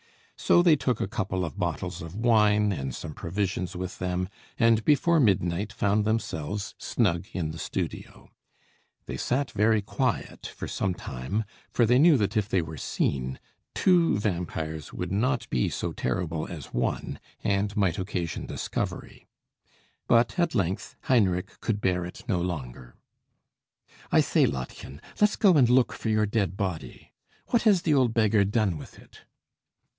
So they took a couple of bottles of wine and some provisions with them, and before midnight found themselves snug in the studio. They sat very quiet for some time, for they knew that if they were seen, two vampires would not be so terrible as one, and might occasion discovery. But at length Heinrich could bear it no longer. "I say, Lottchen, let's go and look; for your dead body. What has the old beggar done with it?"